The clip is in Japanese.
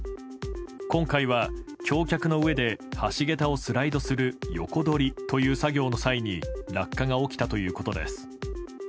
今回は橋脚の上で橋桁をスライドする横取りという作業の際に落下が起きたということです。